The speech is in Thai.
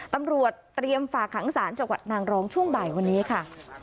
ตำรวจเตรียมฝากขังศาลจังหวัดนางรองช่วงบ่ายวันนี้ค่ะ